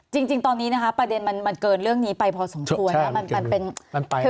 จริงตอนนี้นะคะประเด็นมันเกินเรื่องนี้ไปพอสมควรนะ